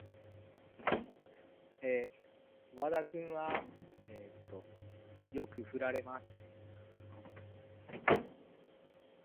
His friendship to you is rather more questionable.